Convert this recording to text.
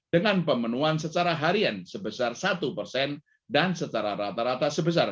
dengan pemenuhan secara harian sebesar satu persen dan secara rata rata sebesar